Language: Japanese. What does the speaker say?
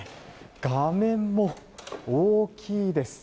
画面も大きいです。